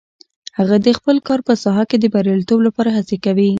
هغه د خپل کار په ساحه کې د بریالیتوب لپاره هڅې کوي